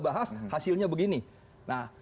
bahas hasilnya begini nah